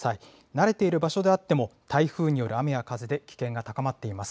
慣れている場所であっても、台風による雨や風で、危険が高まっています。